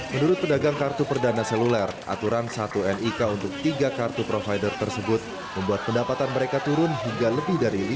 menurut pedagang kartu perdana seluler aturan satu nik untuk tiga kartu provider tersebut membuat pendapatan mereka turun hingga lebih dari lima puluh